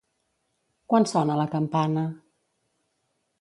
Quan sona la campana?